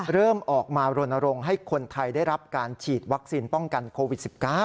เริ่มออกมารณรงค์ให้คนไทยได้รับการฉีดวัคซีนป้องกันโควิด๑๙